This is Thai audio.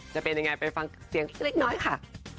จะเป็นยังไงไปฟังเสียงเล็กน้อยค่ะ